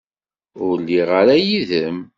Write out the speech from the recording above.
Ur lliɣ ara yid-m.